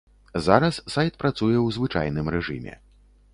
Зараз сайт працуе ў звычайным рэжыме.